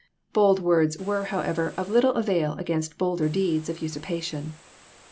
Walker, Bold words were, however, of little avail against ^^v^'r^' vol bolder deeds of usurpation.